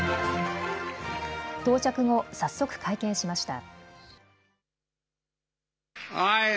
到着後、早速、会見しました。